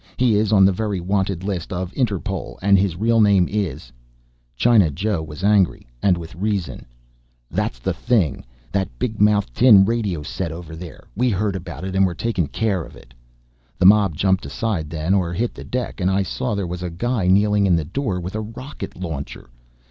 He is on the Very Wanted list of Interpol and his real name is ..." China Joe was angry, and with a reason. "That's the thing ... that big mouthed tin radio set over there. We heard about it and we're taking care of it!" The mob jumped aside then or hit the deck and I saw there was a guy kneeling in the door with a rocket launcher.